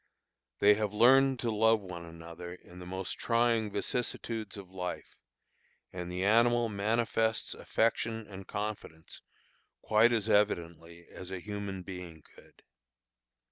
They have learned to love one another in the most trying vicissitudes of life, and the animal manifests affection and confidence quite as evidently as a human being could.